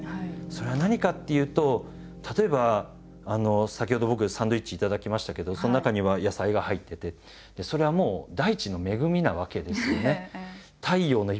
それは何かっていうと例えば先ほど僕サンドイッチ頂きましたけどその中には野菜が入っててそれはもう大地の恵みなわけですよね。